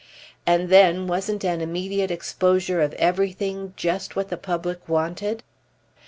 And then wasn't an immediate exposure of everything just what the public wanted?